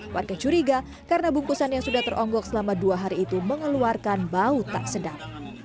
warga curiga karena bungkusan yang sudah teronggok selama dua hari itu mengeluarkan bau tak sedap